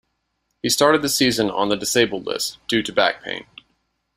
He started the season on the disabled list, due to back pain.